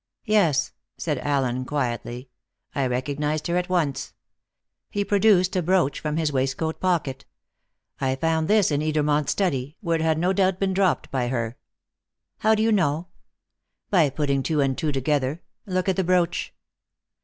"Yes," said Allen quietly. "I recognised her at once." He produced a brooch from his waistcoat pocket. "I found this in Edermont's study, where it had no doubt been dropped by her." "How do you know?" "By putting two and two together. Look at the brooch."